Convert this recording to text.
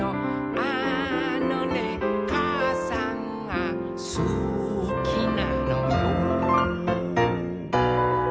「あのねかあさんがすきなのよ」